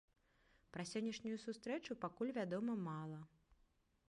Пра сённяшнюю сустрэчу пакуль вядома мала.